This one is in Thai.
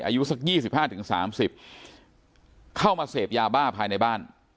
อายุสัก๒๕๓๐เข้ามาเสพยาบ้าภายในบ้าน